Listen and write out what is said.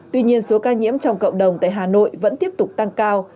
tuy nhiên số ca nhiễm trong cộng đồng tại hà nội vẫn tiếp tục tăng cao